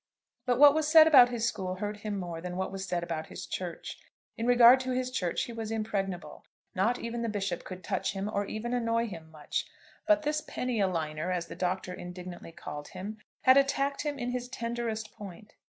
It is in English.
But what was said about his school hurt him more than what was said about his church. In regard to his church he was impregnable. Not even the Bishop could touch him, or even annoy him much. But this "penny a liner," as the Doctor indignantly called him, had attacked him in his tenderest point.